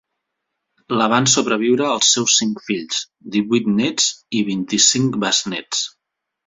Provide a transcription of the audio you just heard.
La van sobreviure els seus cinc fills, divuit nets i vint-i-cinc besnets.